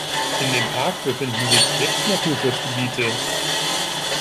In dem Park befinden sich sechs Naturschutzgebiete.